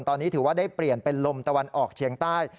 ตอนนี้ถือว่าได้เปลี่ยนเป็นลมตะวันออกเชียงใต้